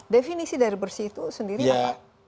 definisi dari bersih itu sendiri apa